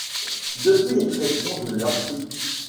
depuis les tréfonds de leurs tripes.